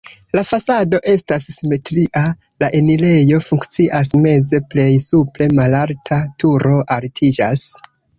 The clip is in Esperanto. La fasado estas simetria, la enirejo funkcias meze, plej supre malalta turo altiĝas.